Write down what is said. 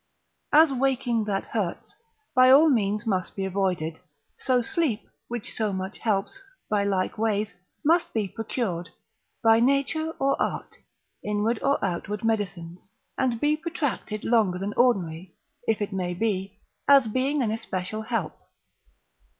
As waking that hurts, by all means must be avoided, so sleep, which so much helps, by like ways, must be procured, by nature or art, inward or outward medicines, and be protracted longer than ordinary, if it may be, as being an especial help.